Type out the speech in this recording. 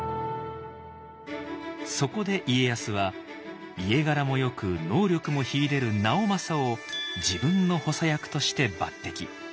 そこで家康は家柄もよく能力も秀でる直政を自分の補佐役として抜てき。